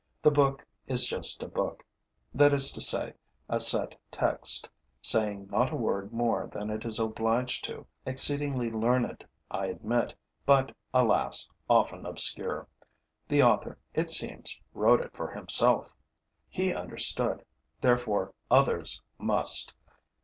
The book is just a book, that is to say, a set text, saying not a word more than it is obliged to, exceedingly learned, I admit, but, alas, often obscure! The author, it seems, wrote it for himself. He understood; therefore others must.